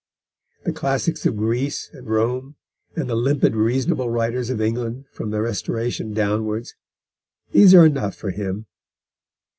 The classics of Greece and Rome, and the limpid reasonable writers of England from the Restoration downwards, these are enough for him.